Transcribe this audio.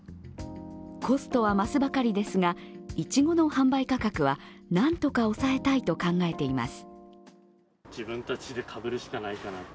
コストは増すばかりですが、いちごの販売価格は何とか抑えたいと考えています。